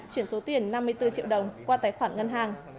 chuyển số tiền năm mươi bốn triệu đồng qua tài khoản ngân hàng